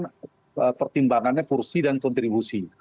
partai kan pertimbangannya porsi dan kontribusi